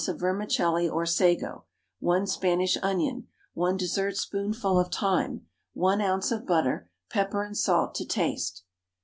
of vermicelli or sago, 1 Spanish onion, 1 dessertspoonful of thyme, 1 oz. of butter, pepper and salt to taste.